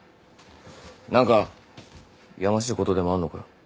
何かやましいことでもあんのかよ。